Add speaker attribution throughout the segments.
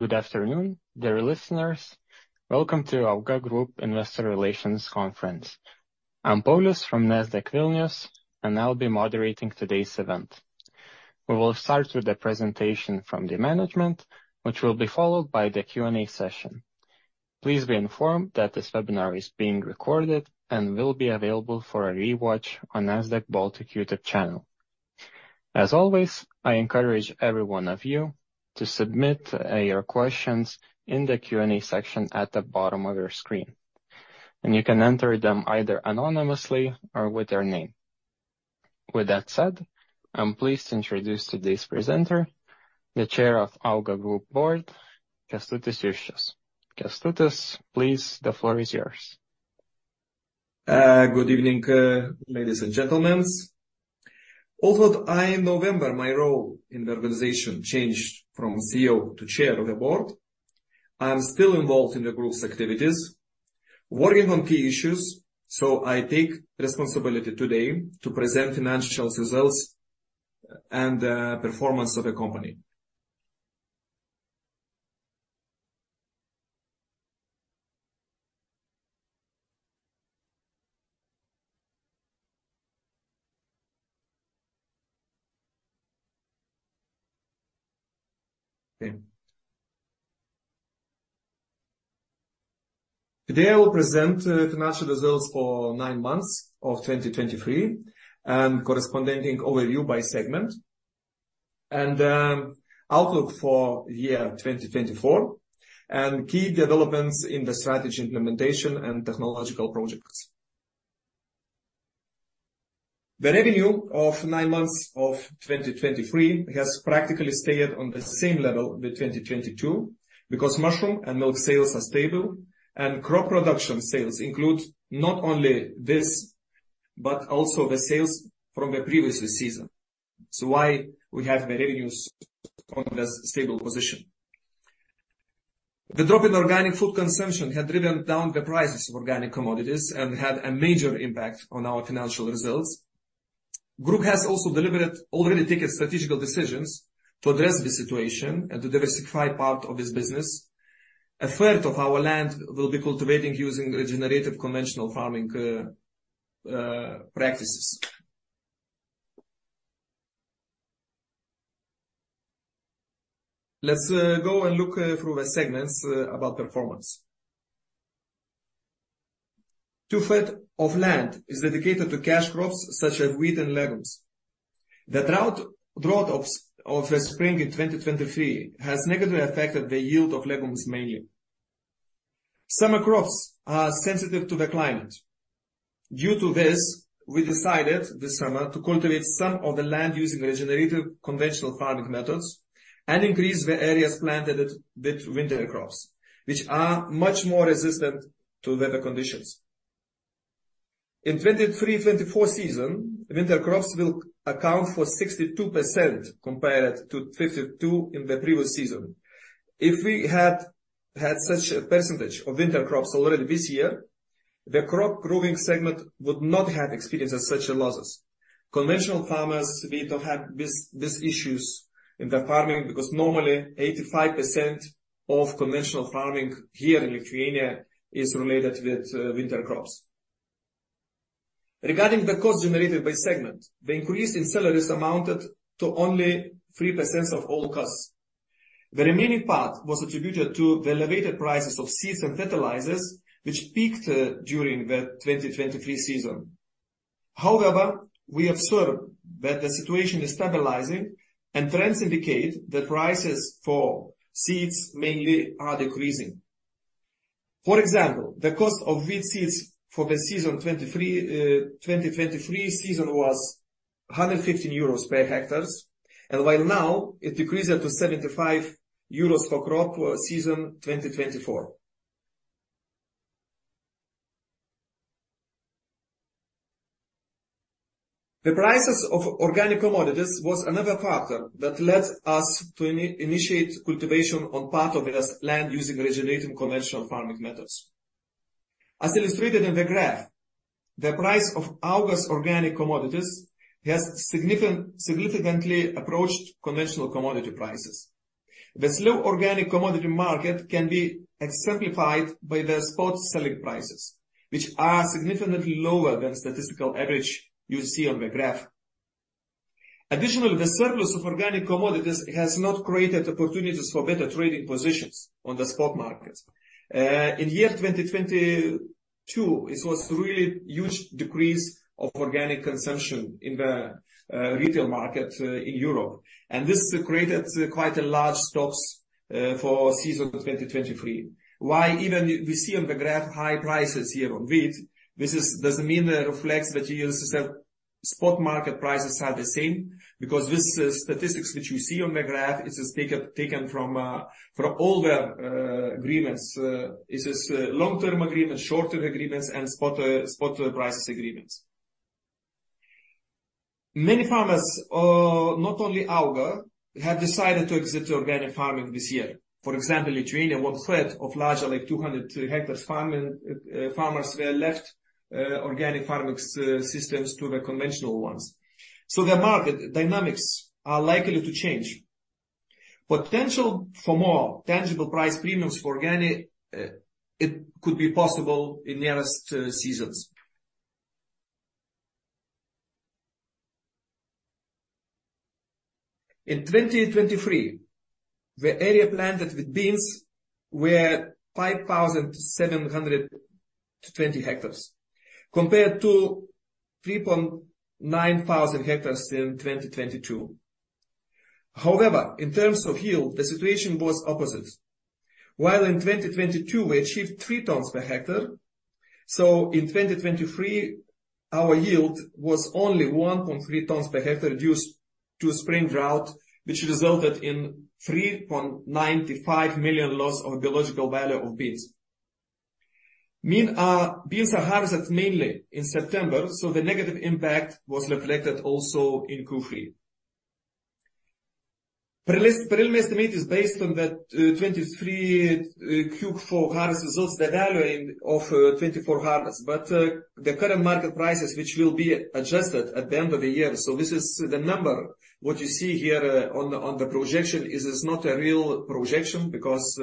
Speaker 1: Good afternoon, dear listeners. Welcome to AUGA Group Investor Relations Conference. I'm Paulius from Nasdaq Vilnius, and I'll be moderating today's event. We will start with the presentation from the management, which will be followed by the Q&A session. Please be informed that this webinar is being recorded and will be available for a rewatch on Nasdaq Baltic YouTube channel. As always, I encourage every one of you to submit your questions in the Q&A section at the bottom of your screen, and you can enter them either anonymously or with your name. With that said, I'm pleased to introduce today's presenter, the Chair of AUGA Group Board, Kęstutis Juščius. Kęstutis, please, the floor is yours.
Speaker 2: Good evening, ladies and gentlemen. Although in November, my role in the organization changed from CEO to chair of the board, I'm still involved in the group's activities, working on key issues, so I take responsibility today to present financial results and performance of the company. Okay. Today, I will present financial results for nine months of 2023 and corresponding overview by segment, and outlook for year 2024, and key developments in the strategy, implementation, and technological projects. The revenue of nine months of 2023 has practically stayed on the same level with 2022, because mushroom and milk sales are stable, and crop production sales include not only this but also the sales from the previous season. So why we have the revenues on the stable position? The drop in organic food consumption had driven down the prices of organic commodities and had a major impact on our financial results. Group has also delivered... already taken strategical decisions to address the situation and to diversify part of this business. A third of our land will be cultivating using regenerative conventional farming practices. Let's go and look through the segments about performance. Two-third of land is dedicated to cash crops such as wheat and legumes. The drought of the spring in 2023 has negatively affected the yield of legumes mainly. Some crops are sensitive to the climate. Due to this, we decided this summer to cultivate some of the land using regenerative conventional farming methods and increase the areas planted with winter crops, which are much more resistant to weather conditions. In 2023-2024 season, winter crops will account for 62% compared to 52 in the previous season. If we had such a percentage of winter crops already this year, the crop growing segment would not have experienced such a losses. Conventional farmers, they don't have these issues in the farming because normally 85% of conventional farming here in Lithuania is related with winter crops. Regarding the cost generated by segment, the increase in salaries amounted to only 3% of all costs. The remaining part was attributed to the elevated prices of seeds and fertilizers, which peaked during the 2023 season. However, we observe that the situation is stabilizing, and trends indicate that prices for seeds mainly are decreasing. For example, the cost of wheat seeds for the 2023 season was 115 euros per hectares, and while now it decreased to 75 euros per crop for season 2024. The prices of organic commodities was another factor that led us to initiate cultivation on part of this land using regenerative conventional farming methods. As illustrated in the graph, the price of AUGA's organic commodities has significantly approached conventional commodity prices. The slow organic commodity market can be exemplified by the spot selling prices, which are significantly lower than statistical average you see on the graph. Additionally, the surplus of organic commodities has not created opportunities for better trading positions on the spot markets. In year 2022, it was really huge decrease of organic consumption in the retail market in Europe, and this created quite a large stocks for season 2023. Why even we see on the graph high prices here on wheat, this doesn't mean it reflects that you use the spot market prices are the same, because this statistics which you see on the graph is taken from all the agreements. It is long-term agreements, shorter agreements, and spot price agreements. Many farmers, not only Auga, have decided to exit organic farming this year. For example, Lithuania, one-third of larger, like 200 hectares farming farmers were left organic farming systems to the conventional ones. So the market dynamics are likely to change. Potential for more tangible price premiums for organic, it could be possible in nearest seasons. In 2023, the area planted with beans were 5,720 hectares, compared to 3,900 hectares in 2022. However, in terms of yield, the situation was opposite. While in 2022, we achieved 3 tons per hectare, so in 2023, our yield was only 1.3 tons per hectare, due to spring drought, which resulted in 3.95 million loss of the biological value of beans. Meanwhile, beans are harvested mainly in September, so the negative impact was reflected also in Q3. Preliminary estimate is based on the 2023 Q4 harvest results, the valuing of 2024 harvest, but the current market prices, which will be adjusted at the end of the year. So this is the number. What you see here on the projection is it's not a real projection because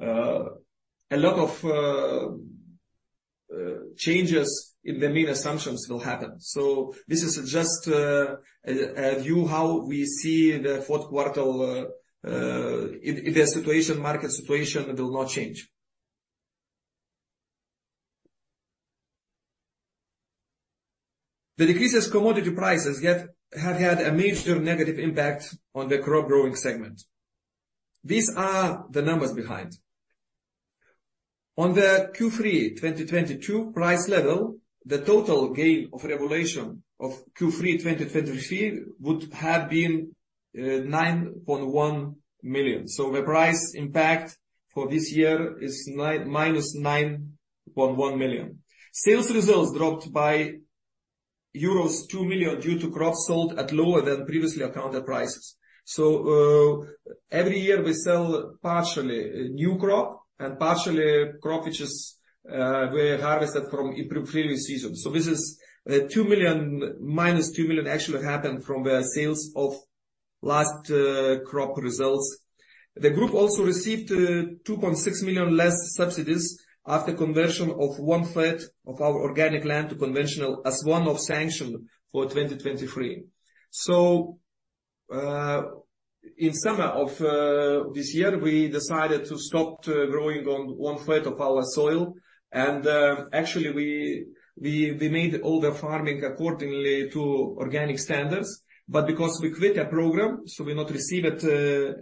Speaker 2: a lot of changes in the main assumptions will happen. So this is just a view how we see the fourth quarter if the situation, market situation will not change. The decreases commodity prices yet have had a major negative impact on the crop growing segment. These are the numbers behind. On the Q3 2022 price level, the total gain of regulation of Q3 2023 would have been 9.1 million. So the price impact for this year is minus 9.1 million. Sales results dropped by euros 2 million due to crops sold at lower than previously accounted prices. So, every year we sell partially new crop and partially crop which is were harvested from a previous season. So this is minus 2 million actually happened from the sales of last crop results. The group also received 2.6 million less subsidies after conversion of one-third of our organic land to conventional as one of sanction for 2023. So, in summer of this year, we decided to stop growing on one-third of our soil, and actually, we made all the farming accordingly to organic standards, but because we quit a program, so we not received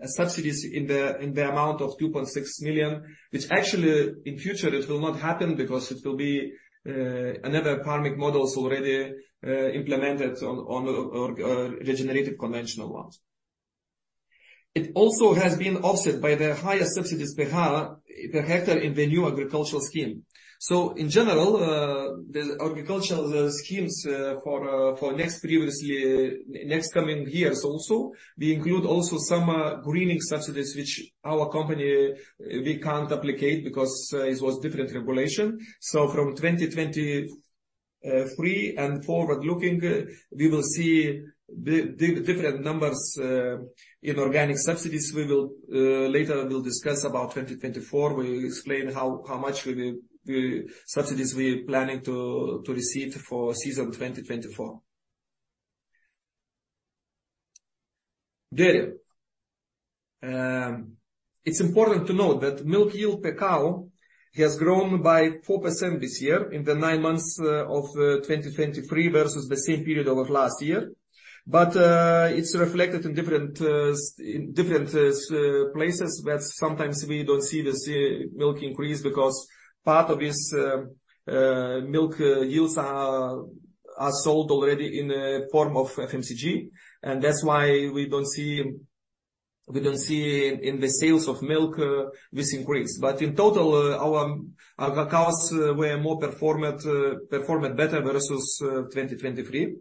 Speaker 2: subsidies in the amount of 2.6 million, which actually, in future, it will not happen because it will be another farming models already implemented on regenerative conventional ones. It also has been offset by the higher subsidies per hectare in the new agricultural scheme. So in general, the agricultural schemes for next previously next coming years also, we include also some greening subsidies, which our company, we can't replicate because it was different regulation. So from 2023 and forward looking, we will see the different numbers in organic subsidies. We will later we'll discuss about 2024. We'll explain how much we will subsidies we're planning to receive for season 2024. Dairy. It's important to note that milk yield per cow has grown by 4% this year in the 9 months of 2023 versus the same period of last year. But it's reflected in different places, but sometimes we don't see this milk increase because part of this milk yields are sold already in the form of FMCG, and that's why we don't see in the sales of milk this increase. But in total, our cows were more performant, performed better versus 2023.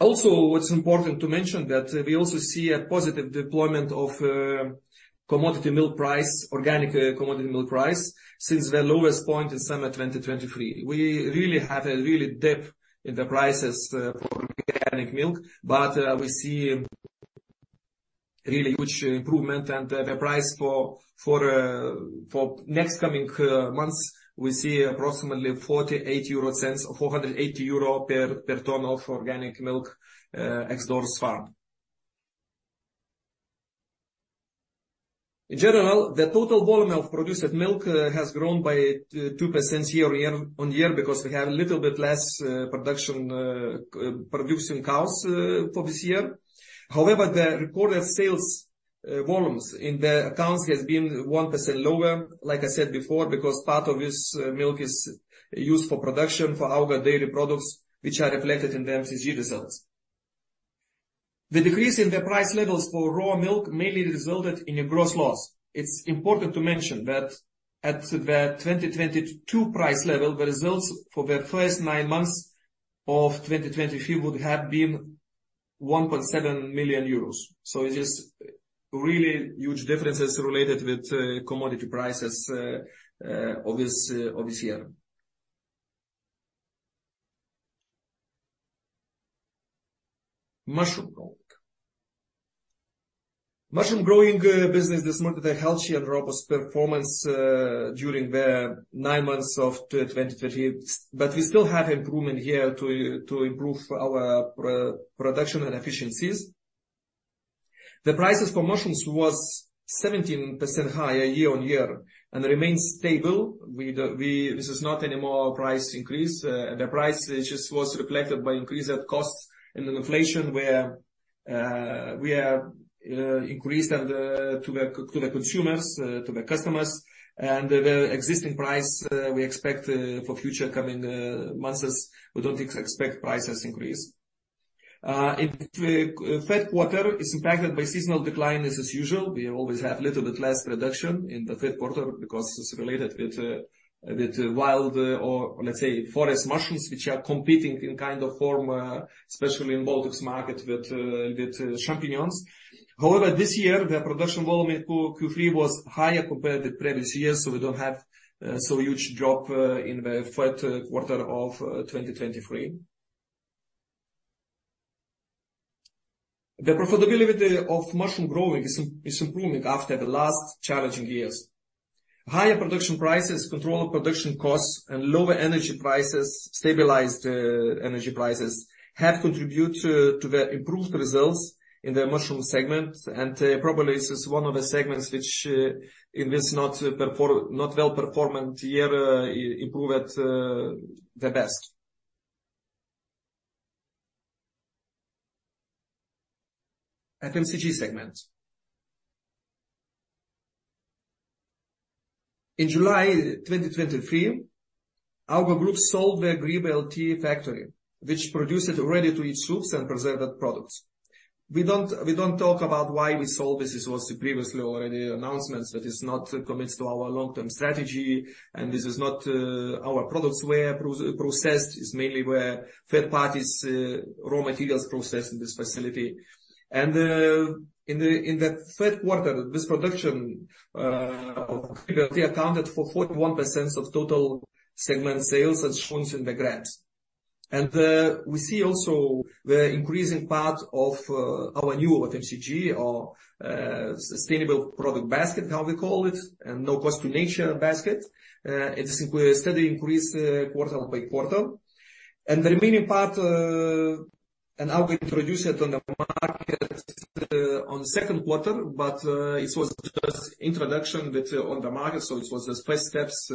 Speaker 2: Also, it's important to mention that we also see a positive deployment of commodity milk price, organic commodity milk price, since the lowest point in summer 2023. We really had a really dip in the prices for organic milk, but we see really huge improvement and the price for next coming months we see approximately 48 euro cents or 480 euro per ton of organic milk ex-farm. In general, the total volume of produced milk has grown by 2% year-on-year because we had a little bit less production producing cows for this year. However, the recorded sales volumes in the accounts has been 1% lower, like I said before, because part of this milk is used for production for our dairy products, which are reflected in the FMCG results. The decrease in the price levels for raw milk mainly resulted in a gross loss. It's important to mention that at the 2022 price level, the results for the first nine months of 2023 would have been 1.7 million euros. So it is really huge differences related with commodity prices of this year. Mushroom growing. Mushroom growing business is marked a healthy and robust performance during the nine months of 2020. But we still have improvement here to improve our production and efficiencies. The prices for mushrooms was 17% higher year-on-year and remains stable. We don't. This is not anymore price increase. The price just was reflected by increase of costs and inflation, where we are increased to the consumers to the customers, and the existing price we expect for future coming months. We don't expect prices increase. In the third quarter is impacted by seasonal decline. As usual, we always have a little bit less production in the third quarter because it's related with wild or let's say, forest mushrooms, which are competing in kind of form, especially in Baltics market, with champignons. However, this year, the production volume in Q3 was higher compared to the previous years, so we don't have so huge drop in the third quarter of 2023. The profitability of mushroom growing is improving after the last challenging years. Higher production prices, control of production costs and lower energy prices, stabilized energy prices, have contributed to the improved results in the mushroom segment, and probably this is one of the segments which, in this not well performing year, improved the best. FMCG segment. In July 2023, our group sold the Grybai LT factory, which produced ready-to-eat soups and preserved products. We don't talk about why we sold this. This was previously already announced. That is not committed to our long-term strategy, and this is not, our products were processed. It's mainly where third parties raw materials processed in this facility. And in the third quarter, this production accounted for 41% of total segment sales, as shown in the graphs. We see also the increasing part of our new FMCG or sustainable product basket, how we call it, and no cost to nature basket. It is steady increase quarter by quarter. The remaining part, and now we introduce it on the market on the second quarter, but it was just introduction on the market, so it was the first steps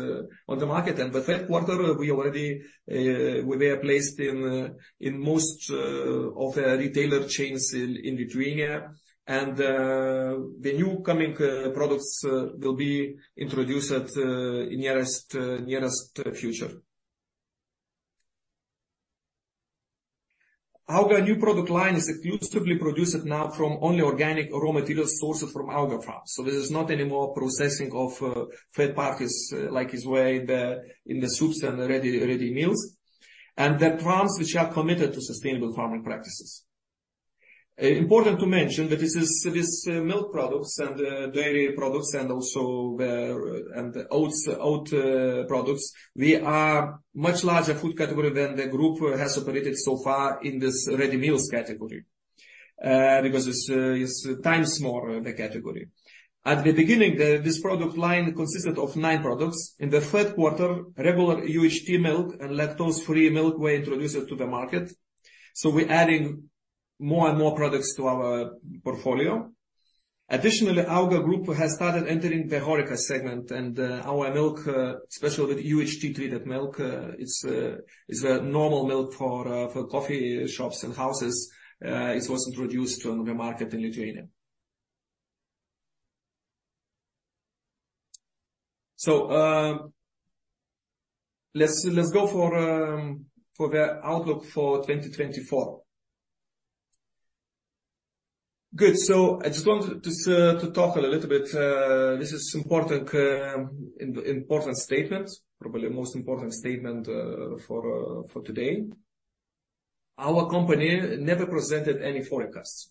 Speaker 2: on the market. In the third quarter, we already were placed in most of the retailer chains in Lithuania. The new coming products will be introduced in nearest future. Our new product line is exclusively produced now from only organic raw materials sourced from Auga farms. So this is not any more processing of third parties, like it's where in the soups and ready meals, and the farms which are committed to sustainable farming practices. Important to mention that this is this milk products and dairy products and also the and oats oat products, they are much larger food category than the group has operated so far in this ready meals category, because this is times more the category. At the beginning, this product line consisted of nine products. In the third quarter, regular UHT milk and lactose-free milk were introduced to the market, so we're adding more and more products to our portfolio. Additionally, Auga Group has started entering the HORECA segment, and our milk, especially with UHT treated milk, is a normal milk for coffee shops and houses. It was introduced on the market in Lithuania. So, let's go for the outlook for 2024. Good. So I just want to talk a little bit. This is important, important statement, probably the most important statement for today. Our company never presented any forecasts.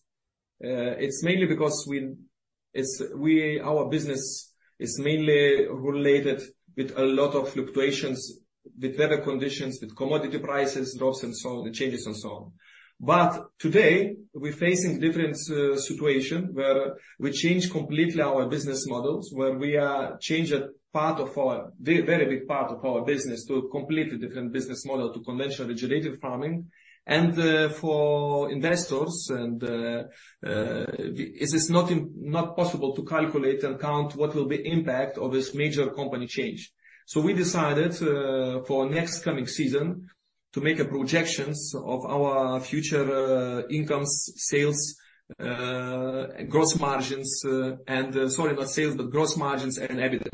Speaker 2: It's mainly because our business is mainly related with a lot of fluctuations, with weather conditions, with commodity prices, drops and so on, the changes and so on. But today, we're facing different situation, where we change completely our business models, where we are change a part of our... very big part of our business to a completely different business model, to conventional regenerative farming. For investors, it is not possible to calculate and count what will be impact of this major company change. So we decided, for next coming season, to make a projections of our future, incomes, sales, gross margins, and, sorry, not sales, but gross margins and EBITDA.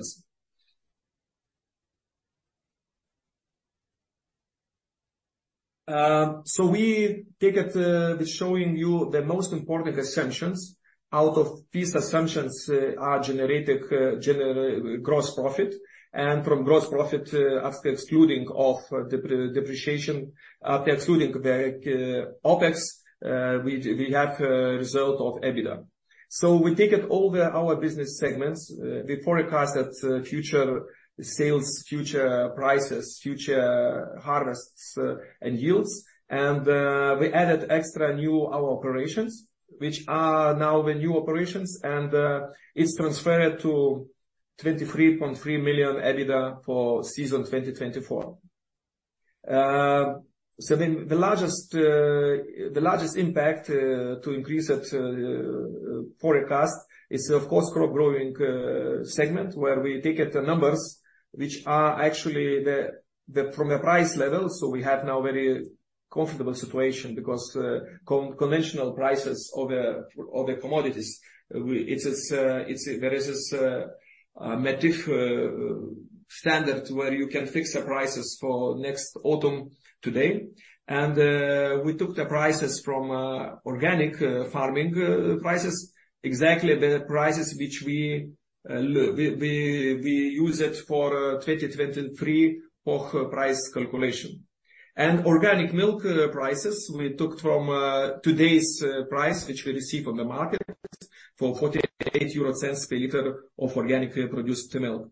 Speaker 2: So we take it with showing you the most important assumptions. Out of these assumptions are generated gross profit, and from gross profit, after excluding of depreciation, after excluding the OpEx, we have result of EBITDA. So we take it all, our business segments, we forecast that future sales, future prices, future harvests, and yields, and we added extra new our operations, which are now the new operations, and it's transferred to 23.3 million EBITDA for season 2024. So then the largest impact to increase it forecast is, of course, crop growing segment, where we take at the numbers, which are actually from a price level. So we have now very comfortable situation because conventional prices of the commodities, it's that there is this MATIF standard where you can fix the prices for next autumn today. We took the prices from organic farming prices, exactly the prices which we use for 2023 crop price calculation. And organic milk prices we took from today's price, which we receive on the market for €0.48 per liter of organically produced milk.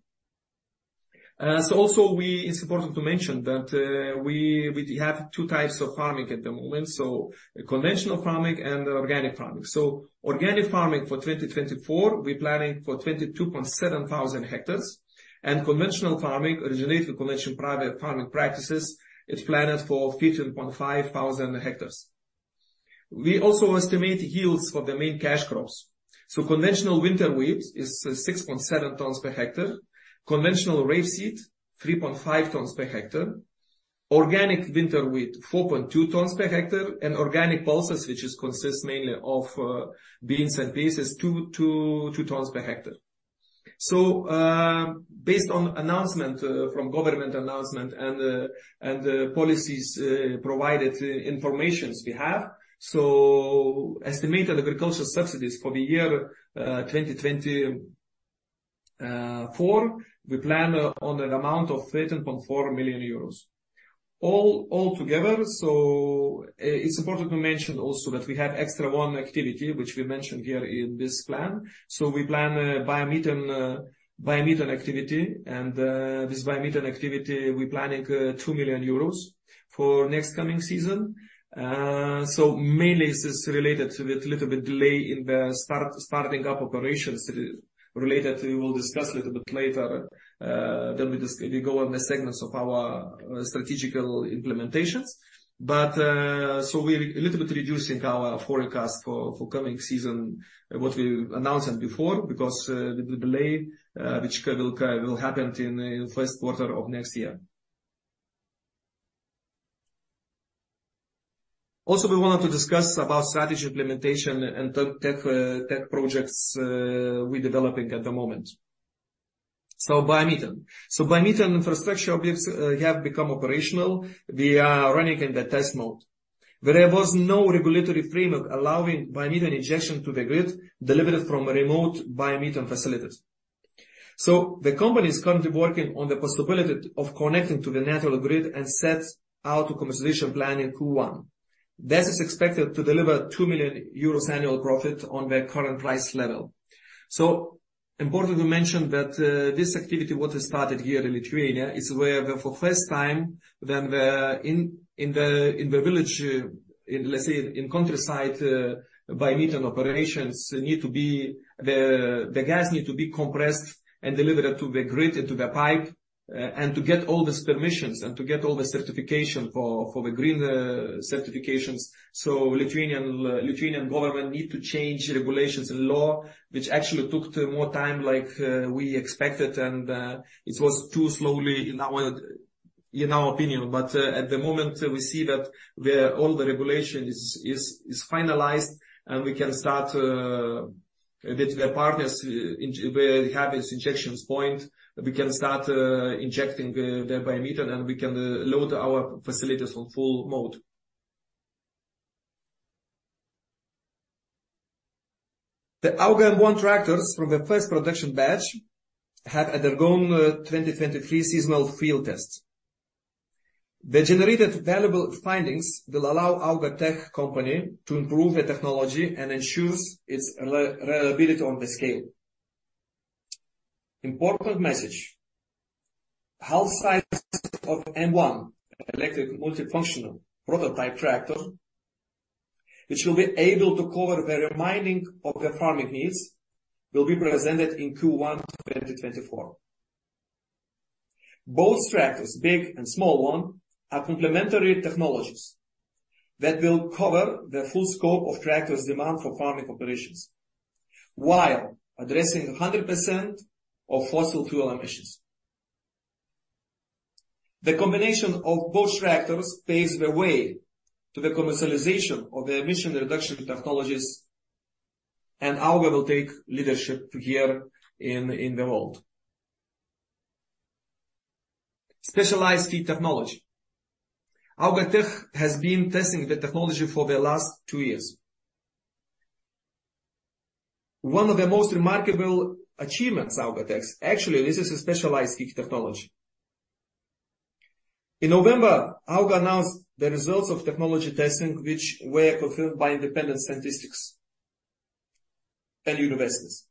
Speaker 2: So it's important to mention that we have two types of farming at the moment, so conventional farming and organic farming. So organic farming for 2024, we're planning for 22,700 hectares, and conventional farming, originated conventional private farming practices, it's planned for 15,500 hectares. We also estimate yields for the main cash crops. Conventional winter wheat is 6.7 tons per hectare, conventional rapeseed, 3.5 tons per hectare, organic winter wheat, 4.2 tons per hectare, and organic pulses, which is consists mainly of beans and peas, is 2.2 tons per hectare. Based on announcement from government announcement and the policies provided informations we have, estimated agricultural subsidies for the year 2024 we plan on an amount of 13.4 million euros. Altogether, it's important to mention also that we have extra one activity, which we mentioned here in this plan. We plan biomethane activity, and this biomethane activity, we're planning 2 million euros for next coming season. So mainly this is related to the little bit delay in the starting up operations related, we will discuss a little bit later, then we go on the segments of our strategic implementations. But, so we're a little bit reducing our forecast for coming season, what we announced before, because the delay, which will happen in the first quarter of next year. Also, we wanted to discuss about strategy implementation and tech projects we're developing at the moment. So biomethane infrastructure objects have become operational. We are running in the test mode. There was no regulatory framework allowing biomethane injection to the grid delivered from a remote biomethane facilities. So the company is currently working on the possibility of connecting to the national grid and set out a commercialization plan in Q1. This is expected to deliver 2 million euros annual profit on the current price level. So importantly, we mentioned that, this activity, what is started here in Lithuania, is where for the first time, when the in the village, in, let's say, in countryside, biomethane operations need to be... The gas need to be compressed and delivered to the grid, into the pipe, and to get all these permissions and to get all the certification for the green certifications. So Lithuanian government need to change regulations and law, which actually took more time like we expected, and it was too slowly in our opinion. But at the moment, we see that all the regulation is finalized, and we can start the partners in where we have this injection point, we can start injecting the biomethane, and we can load our facilities on full mode. The AUGA M1 tractors from the first production batch have undergone 2023 seasonal field tests. The generated valuable findings will allow AUGA Tech company to improve the technology and ensure its reliability on the scale. Important message: half size of M1, electric multifunctional prototype tractor, which will be able to cover the remaining of the farming needs, will be presented in Q1 2024. Both tractors, big and small one, are complementary technologies that will cover the full scope of tractors' demand for farming operations, while addressing 100% of fossil fuel emissions. The combination of both tractors paves the way to the commercialization of the emission reduction technologies, and AUGA will take leadership here in the world. Specialized feed technology. AUGA Tech has been testing the technology for the last two years. One of the most remarkable achievements, AUGA Tech, actually, this is a specialized feed technology. In November, AUGA announced the results of technology testing, which were confirmed by independent scientists and universities.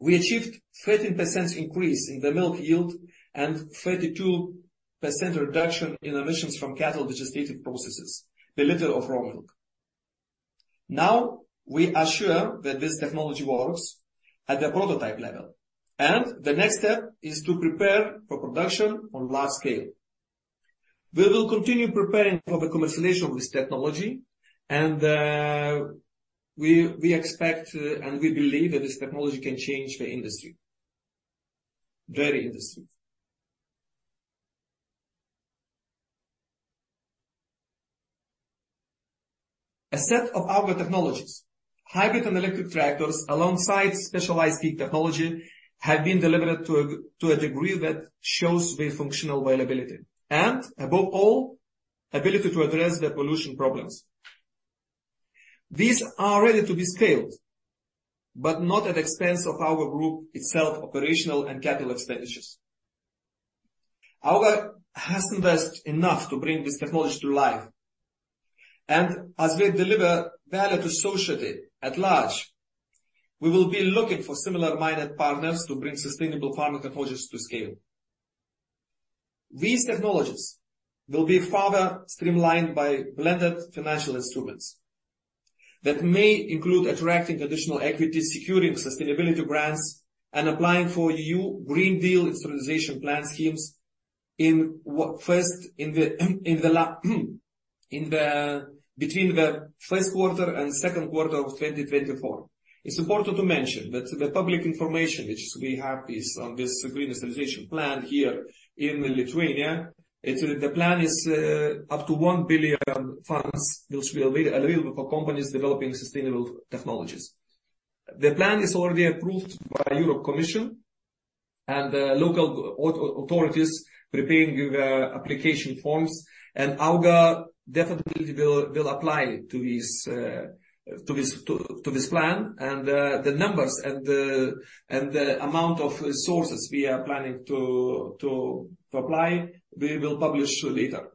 Speaker 2: We achieved 13% increase in the milk yield and 32% reduction in emissions from cattle digestive processes per liter of raw milk. Now, we are sure that this technology works at the prototype level, and the next step is to prepare for production on large scale. We will continue preparing for the commercialization of this technology, and we expect and we believe that this technology can change the industry, dairy industry. A set of AUGA technologies, hybrid and electric tractors, alongside specialized feed technology, have been delivered to a degree that shows the functional viability and, above all, ability to address the pollution problems. These are ready to be scaled, but not at the expense of AUGA group itself, operational and capital expenditures. AUGA has invested enough to bring this technology to life, and as we deliver value to society at large, we will be looking for similar-minded partners to bring sustainable farming technologies to scale. These technologies will be further streamlined by blended financial instruments that may include attracting additional equity, securing sustainability grants, and applying for EU Green Deal Industrial Plan schemes in the between the first quarter and second quarter of 2024. It's important to mention that the public information which we have is on this Green Deal Industrial Plan here in Lithuania. It, the plan is up to 1 billion funds, which will be available for companies developing sustainable technologies. The plan is already approved by European Commission and local authorities preparing the application forms, and Auga definitely will apply to this plan. And the numbers and the amount of resources we are planning to apply, we will publish later.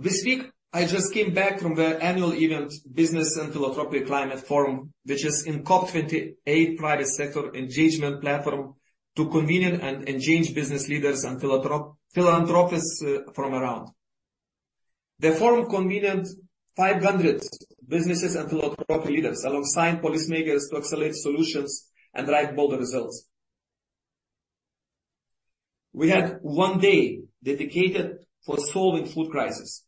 Speaker 2: This week, I just came back from the annual event, Business & Philanthropy Climate Forum, which is in COP28 private sector engagement platform to convene and engage business leaders and philanthropists from around. The forum convened 500 businesses and philanthropic leaders, alongside policymakers, to accelerate solutions and drive bolder results. We had one day dedicated for solving food crisis.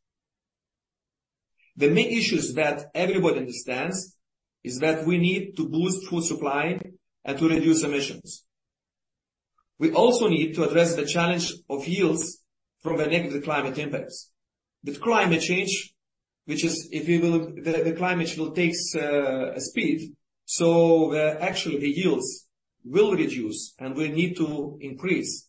Speaker 2: The main issues that everybody understands is that we need to boost food supply and to reduce emissions. We also need to address the challenge of yields from the negative climate impacts. With climate change, which is, if you will, the climate will takes a speed, so actually the yields will reduce, and we need to increase.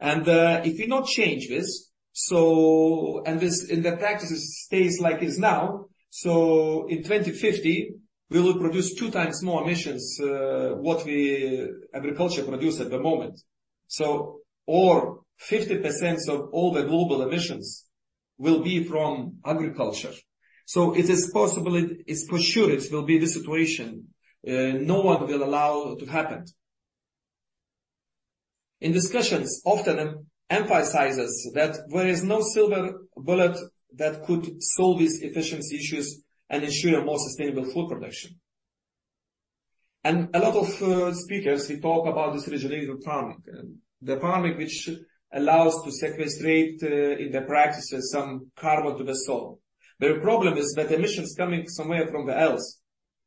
Speaker 2: And if we not change this, so the practice stays like it is now, so in 2050, we will produce two times more emissions, what we agriculture produce at the moment. So or 50% of all the global emissions will be from agriculture. So it is possible, it is for sure it will be the situation, no one will allow to happen. In discussions, often emphasizes that there is no silver bullet that could solve these efficiency issues and ensure a more sustainable food production. A lot of speakers, they talk about this regenerative farming, and the farming which allows to sequestrate in the practices, some carbon to the soil. The problem is that emissions coming somewhere from the else.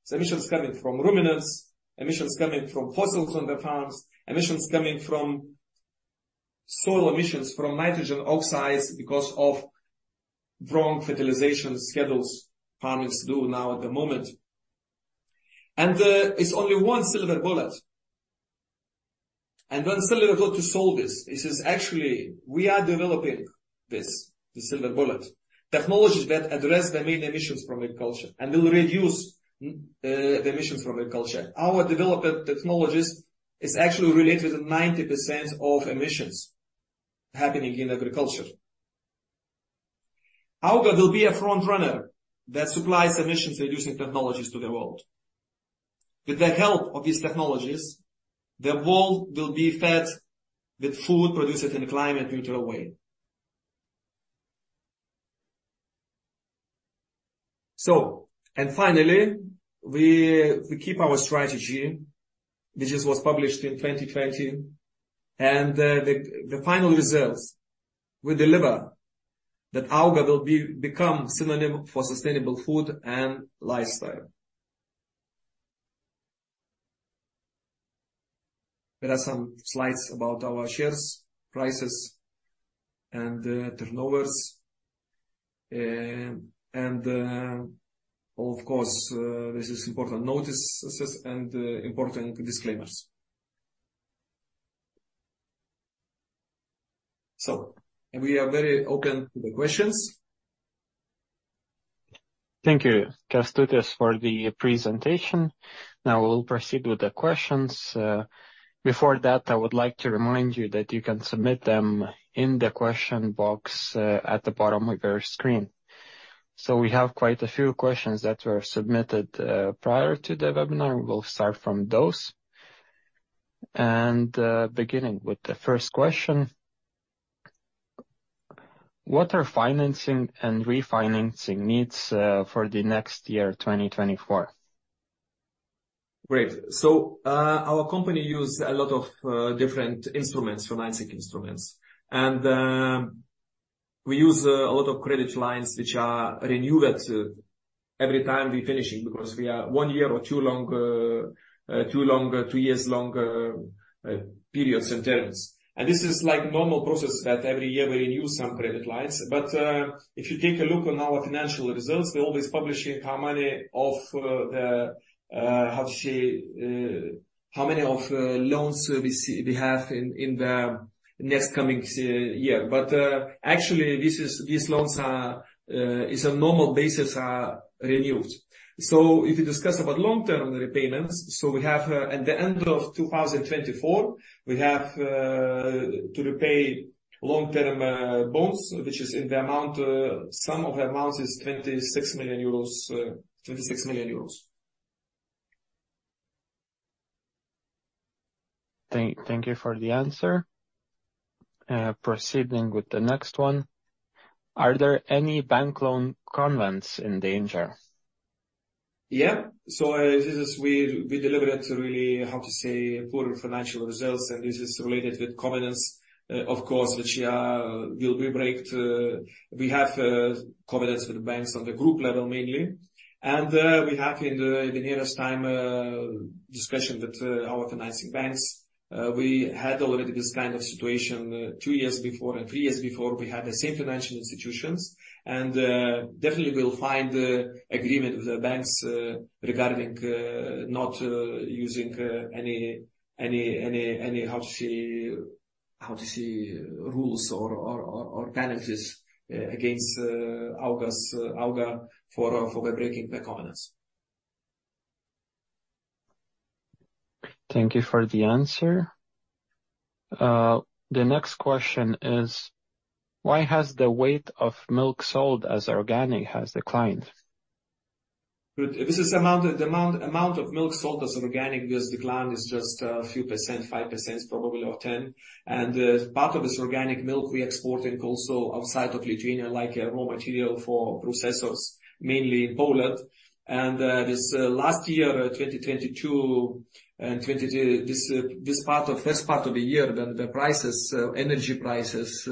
Speaker 2: The emissions coming from ruminants, emissions coming from fossils on the farms, emissions coming from soil emissions, from nitrogen oxides because of wrong fertilization schedules farmers do now at the moment. It's only one silver bullet, and one silver bullet to solve this. This is actually, we are developing this, the silver bullet, technologies that address the main emissions from agriculture and will reduce the emissions from agriculture. Our development technologies is actually related to 90% of emissions happening in agriculture. Auga will be a front runner that supplies emissions-reducing technologies to the world. With the help of these technologies, the world will be fed with food produced in a climate-neutral way. So, and finally, we keep our strategy, which was published in 2020, and the final results will deliver that Auga will become synonym for sustainable food and lifestyle. There are some slides about our shares, prices, and turnovers. And of course, this is important notices and important disclaimers. We are very open to the questions.
Speaker 1: Thank you, Kęstutis, for the presentation. Now we'll proceed with the questions. Before that, I would like to remind you that you can submit them in the question box at the bottom of your screen. So we have quite a few questions that were submitted prior to the webinar. We'll start from those. Beginning with the first question: What are financing and refinancing needs for the next year, 2024?
Speaker 2: Great. So, our company use a lot of different instruments, financing instruments. We use a lot of credit lines which are renewed every time we finish it, because we are one year or two years longer periods and terms. This is like normal process that every year we review some credit lines, but if you take a look on our financial results, we're always publishing how many of the loans we have in the next coming year. Actually, these loans are renewed on a normal basis. So if you discuss about long-term repayments, so we have, at the end of 2024, we have, to repay long-term, loans, which is in the amount, sum of the amount is 26 million euros, 26 million euros.
Speaker 1: Thank you for the answer. Proceeding with the next one. Are there any bank loan covenants in danger?
Speaker 2: Yeah. So, this is we, we deliberately, how to say, poor financial results, and this is related with covenants, of course, which will be break to. We have covenants with banks on the group level, mainly. And, we have in the nearest time discussion with our financing banks. We had already this kind of situation two years before and three years before, we had the same financial institutions. And, definitely we'll find the agreement with the banks regarding not using any how to say, rules or penalties against Auga for the breaking the covenants.
Speaker 1: Thank you for the answer. The next question is: Why has the weight of milk sold as organic has declined?
Speaker 2: Good. This is amount of milk sold as organic, because decline is just a few percent, 5%, probably, or 10%. And part of this organic milk we're exporting also outside of Lithuania, like a raw material for processors, mainly in Poland. And this last year, 2022 and 2023, this first part of the year, the prices, energy prices,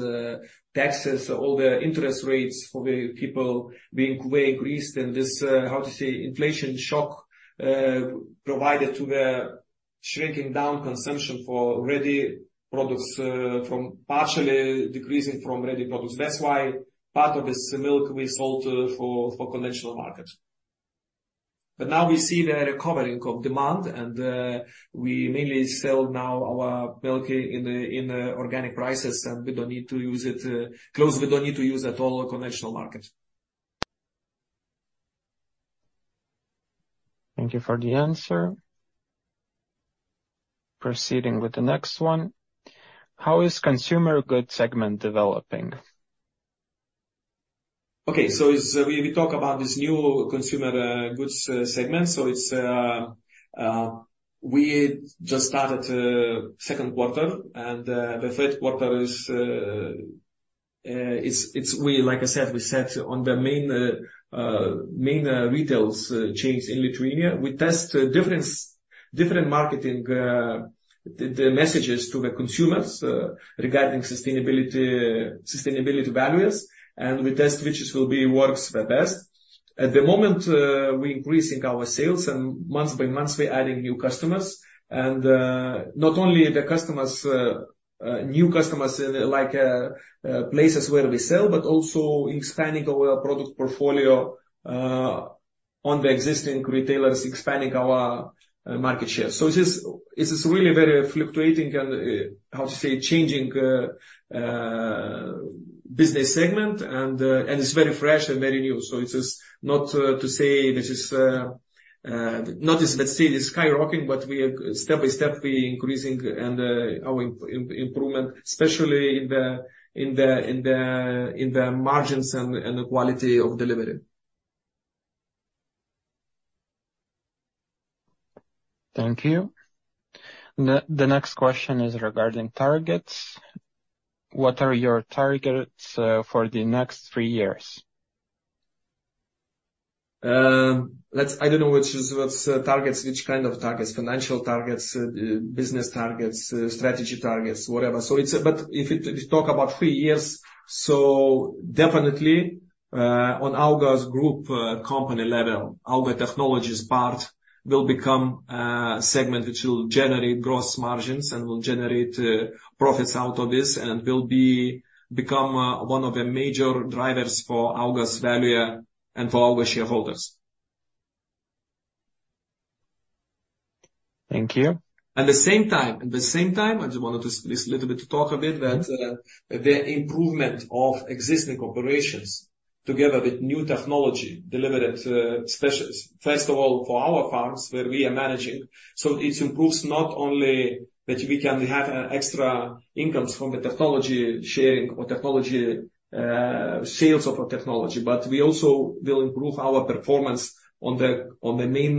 Speaker 2: taxes, all the interest rates for the people being way increased, and this inflation shock provided to the shrinking down consumption for ready products, from partially decreasing from ready products. That's why part of this milk we sold for conventional market. But now we see the recovering of demand, and we mainly sell now our milk in the organic prices, and we don't need to use it, we don't need to use at all conventional market.
Speaker 1: Thank you for the answer. Proceeding with the next one. How is consumer goods segment developing?
Speaker 2: Okay, so we talk about this new consumer goods segment. So it's we just started second quarter, and the third quarter is it's we- like I said, we set on the main main retail chains in Lithuania. We test different different marketing the the messages to the consumers regarding sustainability sustainability values, and we test which will be works the best. At the moment, we're increasing our sales, and month by month, we're adding new customers. And not only the customers new customers like places where we sell, but also expanding our product portfolio on the existing retailers, expanding our market share. So it is, it is really very fluctuating and, how to say, changing business segment, and, and it's very fresh and very new. So it is not, to say this is, not as let's say it's skyrocketing, but we are step by step, we increasing and, our improvement, especially in the margins and the quality of delivery.
Speaker 1: Thank you. The next question is regarding targets. What are your targets for the next three years?
Speaker 2: I don't know which is, what's targets, which kind of targets, financial targets, business targets, strategy targets, whatever. So it's a but if it, if we talk about three years, so definitely, on AUGA group company level, AUGA Tech part will become a segment which will generate gross margins and will generate profits out of this, and will become one of the major drivers for AUGA's value and for AUGA shareholders....
Speaker 1: Thank you.
Speaker 2: At the same time, I just wanted to just a little bit to talk a bit that the improvement of existing operations together with new technology delivered specials. First of all, for our farms, where we are managing. So it improves not only that we can have extra incomes from the technology sharing or technology sales of our technology, but we also will improve our performance on the main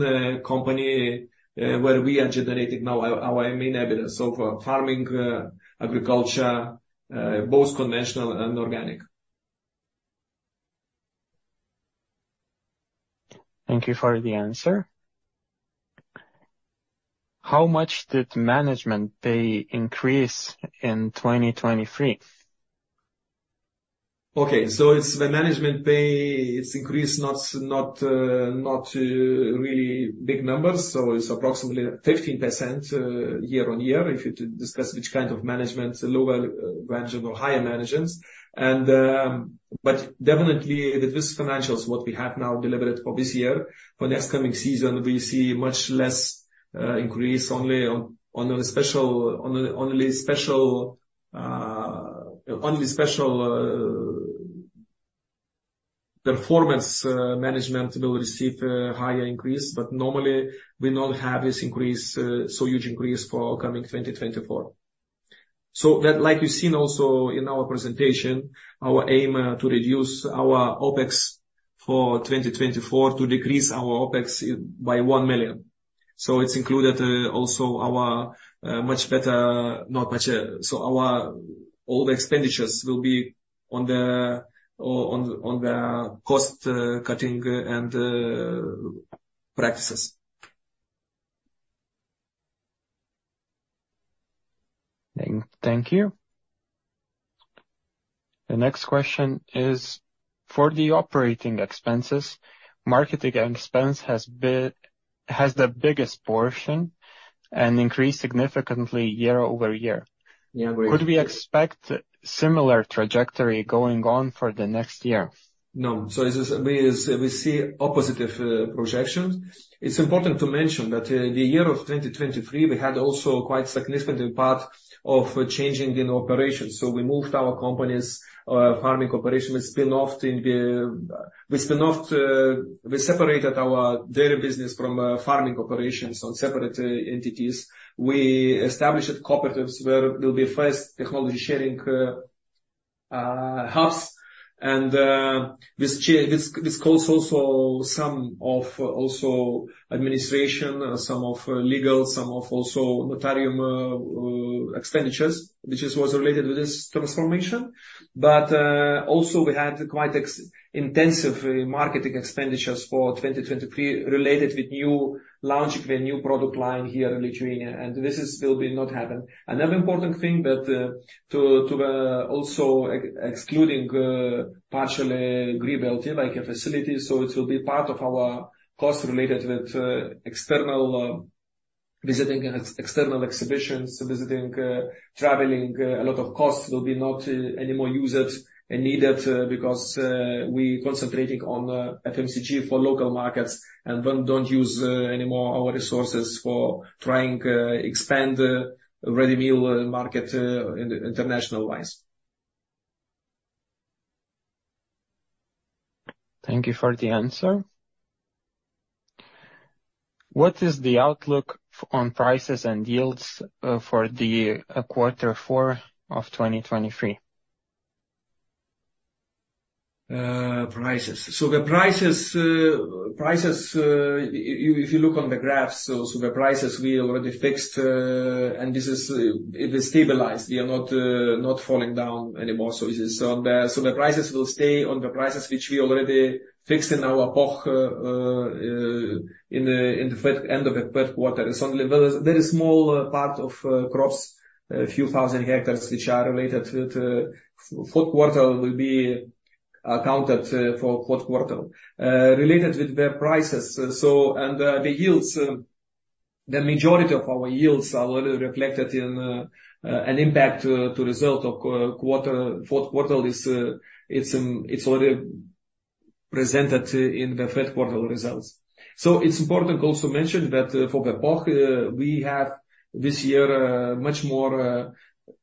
Speaker 2: company where we are generating now our main evidence of farming agriculture both conventional and organic.
Speaker 1: Thank you for the answer. How much did management pay increase in 2023?
Speaker 2: Okay, so it's the management pay, it's increased not really big numbers, so it's approximately 15%, year-on-year, if you discuss which kind of management, lower range or higher managements. But definitely, with this financials, what we have now delivered for this year, for next coming season, we see much less increase only on a special, only special performance management will receive a higher increase, but normally we don't have this increase, so huge increase for coming 2024. So that, like you've seen also in our presentation, our aim to reduce our OpEx for 2024, to decrease our OpEx by 1 million. So it's included also our much better, not much. So, overall, the expenditures will be on the cost cutting and practices.
Speaker 1: Thank you. The next question is: For the operating expenses, marketing expense has the biggest portion and increased significantly year-over-year.
Speaker 2: Year-over-year. Could we expect similar trajectory going on for the next year? No. So this is, we see opposite projections. It's important to mention that the year of 2023, we had also a quite significant part of changing in operations. So we moved our companies farming operations. We separated our dairy business from farming operations on separate entities. We established cooperatives where there'll be first technology sharing hubs. And this causes for some of also administration, some of legal, some of also notarial expenditures, which is what's related with this transformation. But also we had quite intensive marketing expenditures for 2023, related with new launching a new product line here in Lithuania, and this is still will not happen. Another important thing that also excluding partially in Grybai LT, like a facility, so it will be part of our cost related with external visiting and external exhibitions, visiting traveling. A lot of costs will be not anymore used and needed because we're concentrating on FMCG for local markets and don't use anymore our resources for trying expand ready meal market in international wise.
Speaker 1: Thank you for the answer. What is the outlook on prices and yields for the quarter four of 2023?
Speaker 2: Prices. So the prices, prices, if you look on the graphs, so, the prices we already fixed, and this is, it is stabilized. They are not, not falling down anymore. So it is on the... So the prices will stay on the prices which we already fixed in our pocket, in the, in the third, end of the third quarter. It's only very, very small, part of, crops, a few thousand hectares, which are related with, fourth quarter, will be accounted, for fourth quarter. Related with the prices, so, and, the yields, the majority of our yields are already reflected in, an impact to, to result of, quarter. Fourth quarter is, it's, it's already presented in the third quarter results. So it's important to also mention that, for the pocket, we have this year, much more,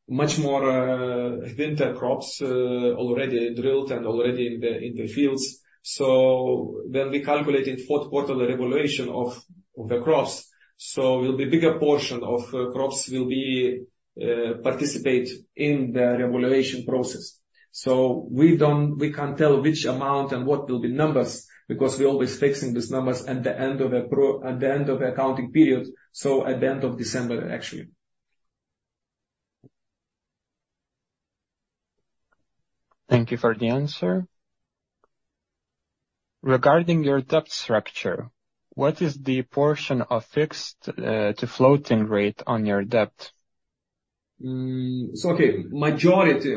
Speaker 2: much more, winter crops, already drilled and already in the, in the fields. So when we calculate in fourth quarter revaluation of, of the crops, so will be bigger portion of, crops will be, participate in the revaluation process. So we don't-- we can't tell which amount and what will be numbers, because we're always fixing these numbers at the end of the pro... At the end of the accounting period, so at the end of December, actually.
Speaker 1: Thank you for the answer. Regarding your debt structure, what is the portion of fixed to floating rate on your debt?
Speaker 2: So, okay, majority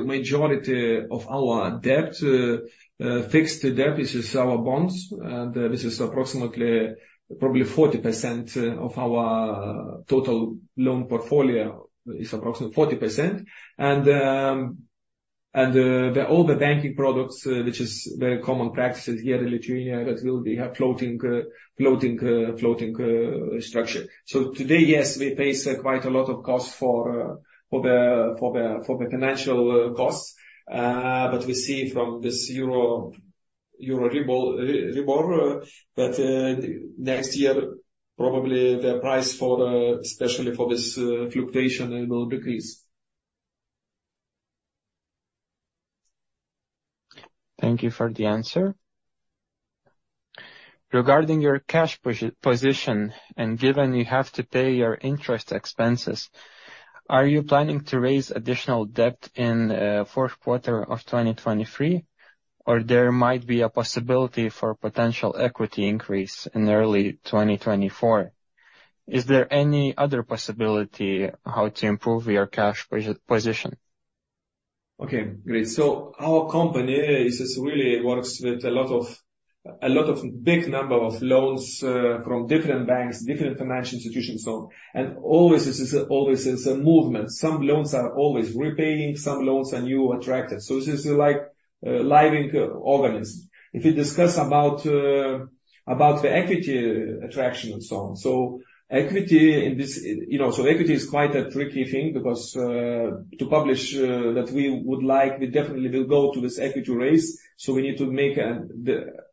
Speaker 2: of our debt, fixed debt, this is our bonds, and this is approximately probably 40% of our total loan portfolio, is approximately 40%. And, all the banking products, which is very common practices here in Lithuania, as well, they have floating structure. So today, yes, we face quite a lot of cost for the financial costs, but we see from this Euribor that next year, probably the price for, especially for this fluctuation, it will decrease.
Speaker 1: Thank you for the answer. Regarding your cash position, and given you have to pay your interest expenses, are you planning to raise additional debt in fourth quarter of 2023? Or there might be a possibility for potential equity increase in early 2024. Is there any other possibility how to improve your cash position?
Speaker 2: Okay, great. So our company is, just really works with a lot of, a lot of big number of loans, from different banks, different financial institutions, so. And always is, always is a movement. Some loans are always repaying, some loans are new attracted. So this is like a living organism. If you discuss about, about the equity attraction and so on. So equity in this, you know, so equity is quite a tricky thing because, to publish, that we would like, we definitely will go to this equity raise, so we need to make, the,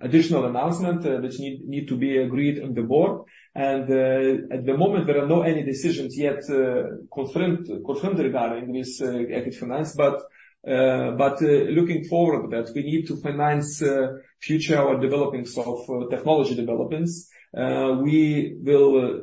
Speaker 2: additional announcement, which need, need to be agreed on the board. And, at the moment, there are no any decisions yet, confirmed, confirmed regarding this, equity finance. But looking forward, that we need to finance future or developments of technology developments. We will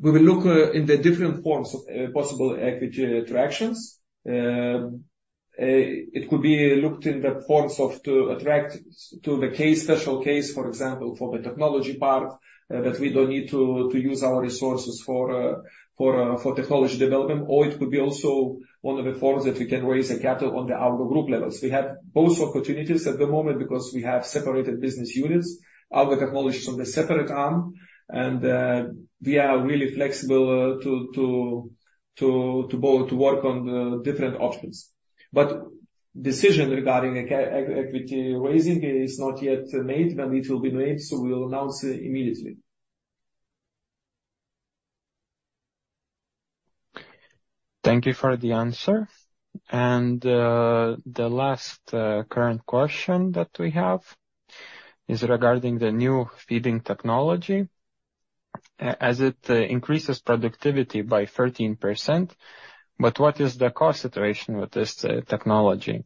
Speaker 2: look in the different forms of possible equity attractions. It could be looked in the forms of to attract to the case, special case, for example, for the technology part, that we don't need to use our resources for technology development, or it could be also one of the forms that we can raise the capital on the AUGA Group levels. We have both opportunities at the moment because we have separated business units, other technologies on the separate arm, and we are really flexible to both to work on the different options. But decision regarding equity raising is not yet made. When it will be made, so we will announce immediately. Thank you for the answer. The last current question that we have is regarding the new feeding technology. As it increases productivity by 13%, but what is the cost situation with this technology?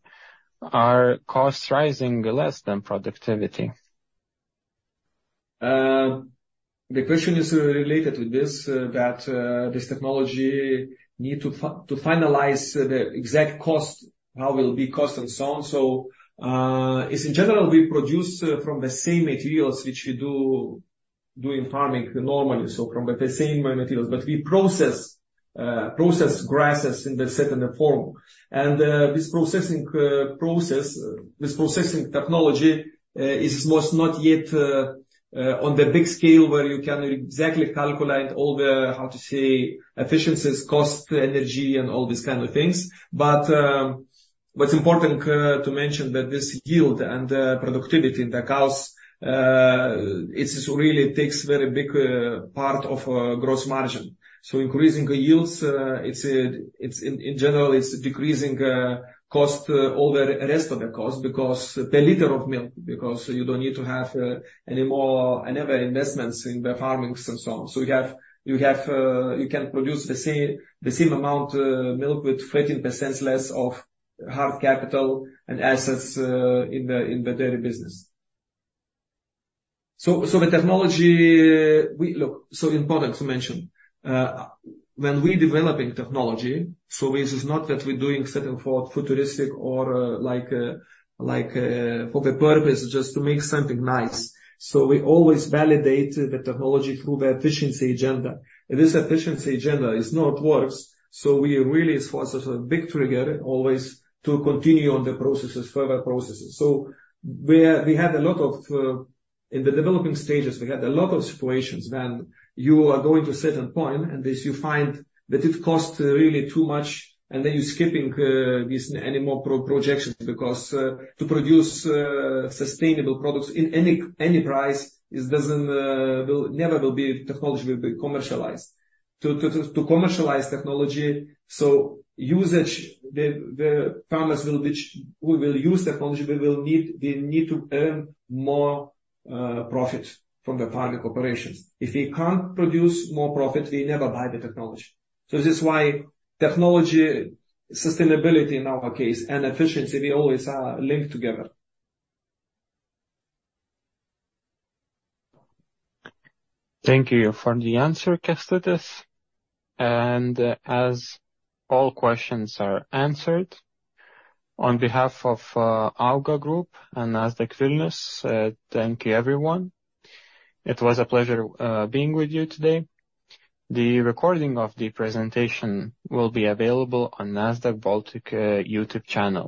Speaker 2: Are costs rising less than productivity?
Speaker 1: The question is related with this, that, this technology need to finalize the exact cost, how will be cost, and so on. So, it's in general, we produce from the same materials which you do doing farming normally, so from the same materials. But we process grasses in the second form. And, this processing technology is most not yet on the big scale where you can exactly calculate all the, how to say, efficiencies, cost, energy, and all these kind of things. But, what's important to mention that this yield and productivity in the cows, it just really takes very big part of gross margin.
Speaker 2: So increasing yields, it's a, it's in, in general, it's decreasing, cost, all the rest of the cost because the liter of milk, because you don't need to have, any more, any other investments in the farmings and so on. So you have, you have, you can produce the same, the same amount, milk with 13% less of hard capital and assets, in the, in the dairy business. So, so the technology, we look, so important to mention, when we developing technology, so this is not that we're doing certain for futuristic or, like, like, for the purpose just to make something nice. So we always validate the technology through the efficiency agenda. This efficiency agenda is not worse, so we really is for us a big trigger always to continue on the processes, further processes. So where we had a lot of in the developing stages, we had a lot of situations when you are going to a certain point, and this you find that it costs really too much, and then you're skipping this any more projections, because to produce sustainable products in any price, it doesn't will never be technology will be commercialized. To commercialize technology, so usage, the farmers who will use technology, they will need. They need to earn more profit from the farming operations. If they can't produce more profit, they never buy the technology. So this is why technology, sustainability in our case, and efficiency, we always are linked together.
Speaker 1: Thank you for the answer, Kęstutis. As all questions are answered, on behalf of AUGA Group and Nasdaq Vilnius, thank you, everyone. It was a pleasure, being with you today. The recording of the presentation will be available on Nasdaq Baltic YouTube channel.